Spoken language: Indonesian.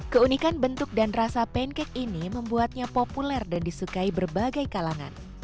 keunikan bentuk dan rasa pancake ini membuatnya populer dan disukai berbagai kalangan